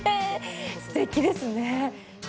すてきですね。